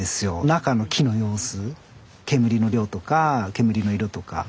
中の木の様子煙の量とか煙の色とか。